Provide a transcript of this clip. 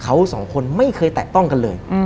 เขาสองคนไม่เคยแตะต้องกันเลย